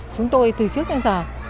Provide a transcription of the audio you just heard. chúng tôi từ trước đến giờ